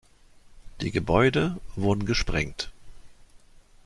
Die Gebäude wurden gesprengt.